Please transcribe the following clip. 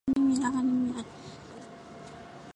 基纳巴卢山国家公园是沙巴最受欢迎的景点之一。